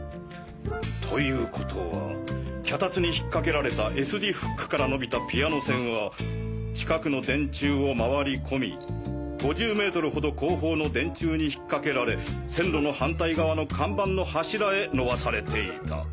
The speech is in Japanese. ということは脚立に引っかけられたＳ字フックからのびたピアノ線は近くの電柱をまわり込み５０メートルほど後方の電柱に引っかけられ線路の反対側の看板の柱へのばされていた。